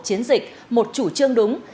chiến dịch một chủ trương đúng